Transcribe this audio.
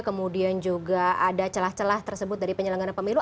kemudian juga ada celah celah tersebut dari penyelenggara pemilu